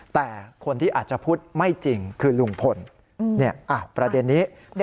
แต่คนที่อาจจะพูดไม่จริงคือลุงพลประเด็นนี้